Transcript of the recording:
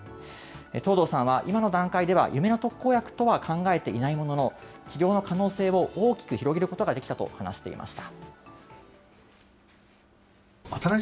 藤堂さんは、今の段階では夢の特効薬とは考えていないものの、治療の可能性を大きく広げることができたと話していました。